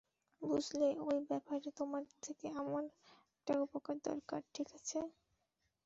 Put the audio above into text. বুঝলে, ওই ব্যাপারে, তোমার থেকে আমার একটা উপকার দরকার, ঠিক আছে?